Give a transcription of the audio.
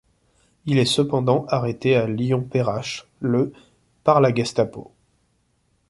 Il est cependant arrêté à Lyon Perrache le par la Gestapo.